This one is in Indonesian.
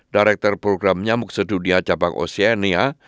direktur program nyamuk sedunia jabang oceania